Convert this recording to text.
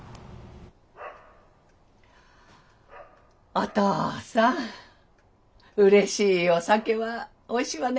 お父さんうれしいお酒はおいしいわね。